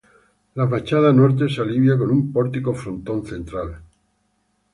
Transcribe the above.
La fachada del norte se alivia con un pórtico frontón central.